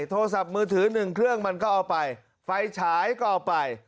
โทรศัพท์มือถือหนึ่งเครื่องมันก็เอาไปไฟฉายก็เอาไป